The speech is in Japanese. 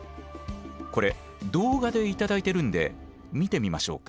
これ動画で頂いてるんで見てみましょうか。